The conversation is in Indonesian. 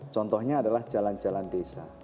contohnya adalah jalan jalan desa